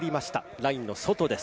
ラインの外です。